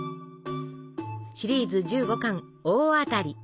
シリーズ１５巻「おおあたり」。